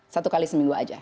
satu kali seminggu saja